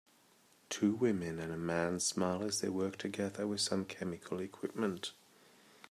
Two women and a man smile as they work together with some chemical equipment.